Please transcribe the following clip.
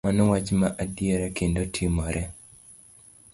Mano wach ma adiera kendo timore.